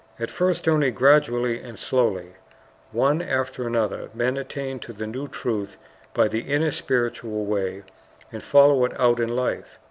At first only gradually and slowly, one after another, men attain to the new truth by the inner spiritual way, and follow it out in life.